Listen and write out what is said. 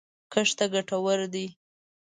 کښت ته ګټور دی